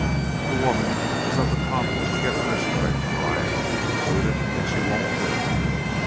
"The woman is of the common 'get rich quick' variety," he concluded, "and she won't do."